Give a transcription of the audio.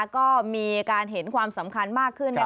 ก็มีการเห็นความสำคัญมากขึ้น